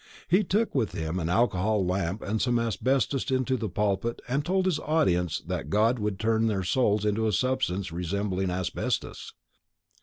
He took with him an alcohol lamp and some asbestos into the pulpit and told his audience that God would turn their souls into a substance resembling asbestos.